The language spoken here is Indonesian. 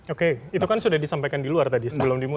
oke itu kan sudah disampaikan di luar tadi sebelum dimulai